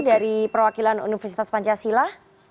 dari perwakilan universitas pancasila